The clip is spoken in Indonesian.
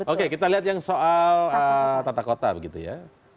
oke kita lihat yang soal tata kota begitu ya